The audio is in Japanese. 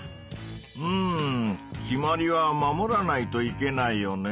うん決まりは守らないといけないよね。